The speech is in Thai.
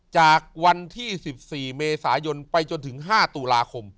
จากวันที่๑๔เมษายนไปจนถึง๕ตุลาคม